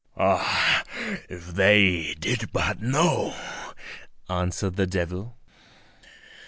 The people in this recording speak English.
"Oh! if they did but know," answered the devil.